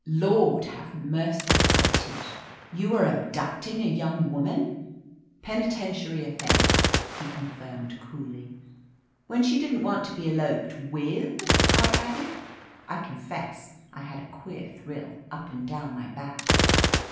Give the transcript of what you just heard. '* "Lord have mercy !" said Tish. "You were abducting a young woman !" "Penitentiary offense," he confirmed coolly. "When she didn't want to be eloped with !" I added. I confess I had a queer thrill up and down my back.